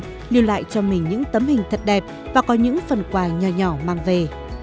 lưu lại cho mình những tấm hình thật đẹp và có những phần quà nhỏ nhỏ mang về